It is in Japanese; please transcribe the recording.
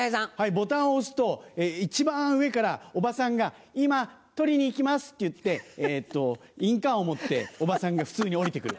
ボタンを押すと一番上からおばさんが「今取りに行きます」って言って印鑑を持っておばさんが普通に降りて来る。